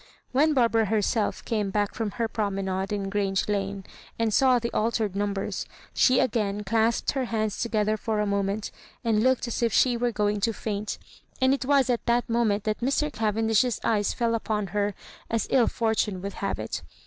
When Barbara herself came back from her promenade in Grange Lane, and saw the al tered numbers, she again clasped her hands together for a moment, and looked as if she were going to faint; and it was at that moment that Mr. Cavendish's eyes fell upon her, as ill fortune would have it.